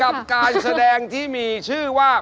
กับการแสดงที่มีชื่อว่า